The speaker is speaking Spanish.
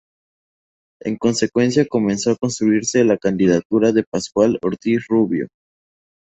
En consecuencia, comenzó a construirse la candidatura de Pascual Ortiz Rubio.